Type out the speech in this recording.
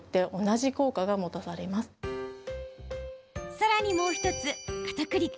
さらにもう１つ、かたくり粉。